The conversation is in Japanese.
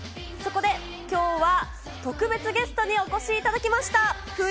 そこで、きょうは特別ゲストにお越しいただきました。